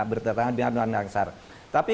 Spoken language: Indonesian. bertentangan dengan undang undang dasar tapi